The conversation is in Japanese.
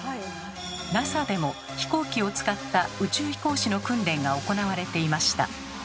ＮＡＳＡでも飛行機を使った宇宙飛行士の訓練が行われていました。